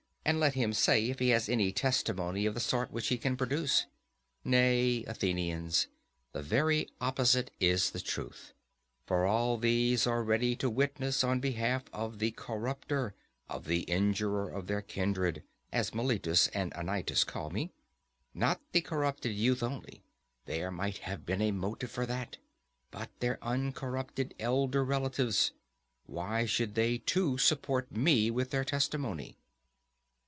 And let him say, if he has any testimony of the sort which he can produce. Nay, Athenians, the very opposite is the truth. For all these are ready to witness on behalf of the corrupter, of the injurer of their kindred, as Meletus and Anytus call me; not the corrupted youth only—there might have been a motive for that—but their uncorrupted elder relatives. Why should they too support me with their testimony?